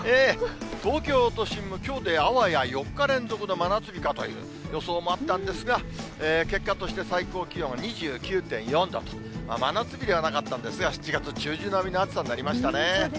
東京都心もきょうであわや４日連続の真夏日かという予想もあったんですが、結果として最高気温２９．４度と、真夏日ではなかったんですが、７月中旬並みの暑さになりましたね。